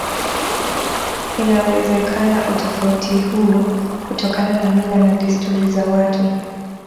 Inawezekana utofauti huu hutokana na mila na desturi za watu